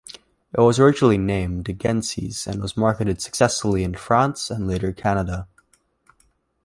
It was originally named Genesys and was marketed successfully in France and later Canada.